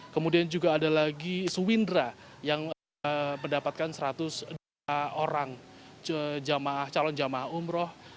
kemudian juga ada lagi suwindra yang mendapatkan rp seratus orang calon jemaah umroh